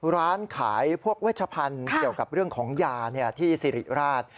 ร้านขายพวกเวชพันธุ์เกี่ยวกับเรื่องของยาที่สิริราช